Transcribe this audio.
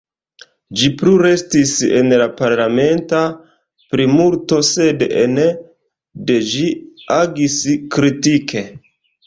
Ĝi plu restis en la parlamenta plimulto, sed ene de ĝi agis kritike.